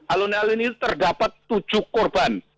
alun alun ini terdapat tujuh korban